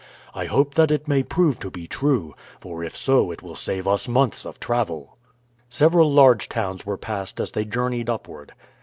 I hope that it may prove to be true, for if so it will save us months of travel." Several large towns were passed as they journeyed upward.